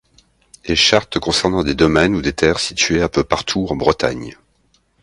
Les chartes concernent des domaines ou des terres situés un peu partout en Bretagne.